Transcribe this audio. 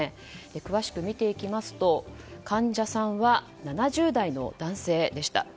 詳しく見ていきますと患者さんは７０代の男性でした。